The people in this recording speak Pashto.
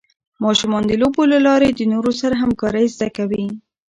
ماشومان د لوبو له لارې د نورو سره همکارۍ زده کوي.